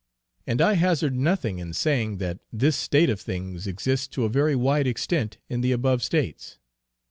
And I hazard nothing in saying, that this state of things exists to a very wide extent in the above states.